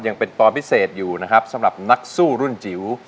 ยังเป็นตอนพิเศษอยู่นะครับสำหรับนักสู้รุ่นจิ๋ว